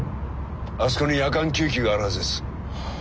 あそこに夜間救急があるはずです。